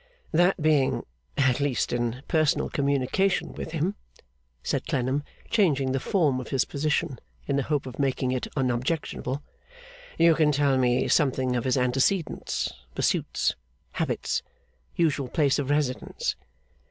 ' that being, at least in personal communication with him,' said Clennam, changing the form of his position in the hope of making it unobjectionable, 'you can tell me something of his antecedents, pursuits, habits, usual place of residence.